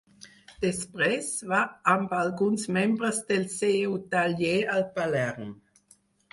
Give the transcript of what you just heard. Després, va amb alguns membres del seu taller a Palerm.